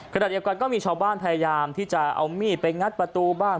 ขณะเดียวกันก็มีชาวบ้านพยายามที่จะเอามีดไปงัดประตูบ้าน